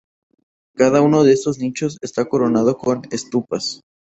Cada uno de estos nichos está coronado con estupas.